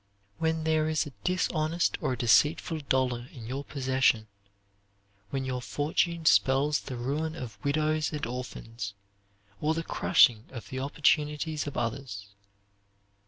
When there is a dishonest or a deceitful dollar in your possession; when your fortune spells the ruin of widows and orphans, or the crushing of the opportunities of others.